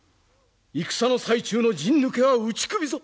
戦の最中の陣抜けは打ち首ぞ！